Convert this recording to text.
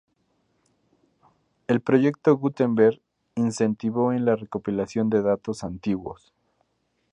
El proyecto Gutenberg incentivó en la recopilación de datos antiguos.